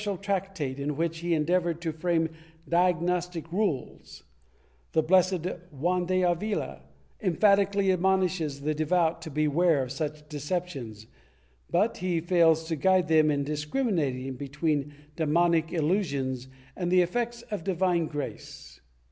V] CONTEMPT FOB THEOLOGY 5 tractate in which he endeavored to frame diagnostic rules/ The Blessed Juan de Avila emphatically admonishes the devout to beware of such deceptions, but he fails to guide them in discrimi nating between demonic illusions and the effects of divine grace.